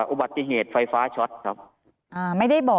อุบัติเหตุไฟฟ้าช็อตครับ